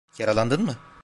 Yaralandın mı?